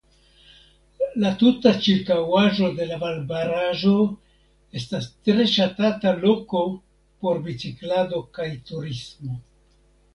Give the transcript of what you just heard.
La tuta ĉirkaŭaĵo de la valbaraĵo estas tre ŝatata loko por biciklado kaj turismo.